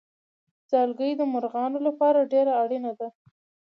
ځالګۍ د مرغانو لپاره ډېره اړینه ده.